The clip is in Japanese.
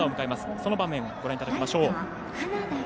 その場面をご覧いただきましょう。